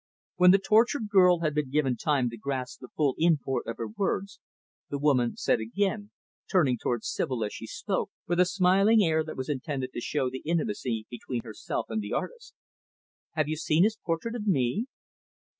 When the tortured girl had been given time to grasp the full import of her words, the woman said again, turning toward Sibyl, as she spoke, with a smiling air that was intended to show the intimacy between herself and the artist, "Have you seen his portrait of me?"